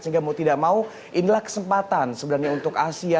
sehingga mau tidak mau inilah kesempatan sebenarnya untuk asia